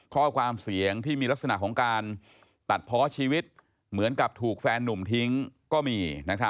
ข้อความเสียงที่มีลักษณะของการตัดเพาะชีวิตเหมือนกับถูกแฟนนุ่มทิ้งก็มี